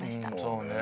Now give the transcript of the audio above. そうね。